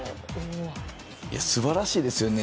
素晴らしいですよね。